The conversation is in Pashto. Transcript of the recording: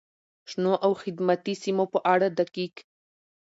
شنو او خدماتي سیمو په اړه دقیق،